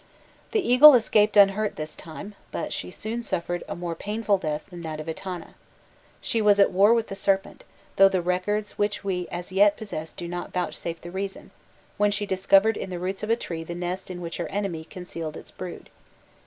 The eagle escaped unhurt this time, but she soon suffered a more painful death than that of Etana. She was at war with the serpent, though the records which we as yet possess do not vouchsafe the reason, when she discovered in the roots of a tree the nest in which her enemy concealed its brood.